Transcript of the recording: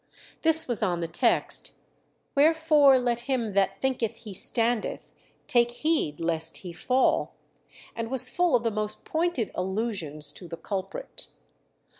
This was on the text, "Wherefore let him that thinketh he standeth take heed lest he fall," and was full of the most pointed allusions to the culprit.